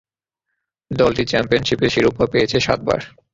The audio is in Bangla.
দলটি চ্যাম্পিয়নশীপের শিরোপা পেয়েছে সাতবার।